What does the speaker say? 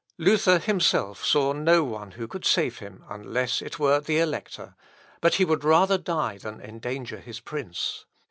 Luther, himself, saw no one who could save him unless it were the Elector, but he would rather die than endanger his prince.